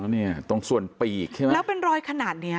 แล้วเนี่ยตรงส่วนปีกใช่ไหมแล้วเป็นรอยขนาดเนี้ย